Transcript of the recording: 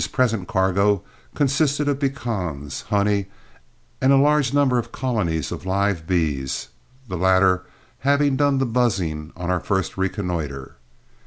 His present cargo consisted of pecans, honey, and a large number of colonies of live bees, the latter having done the buzzing on our first reconnoitre.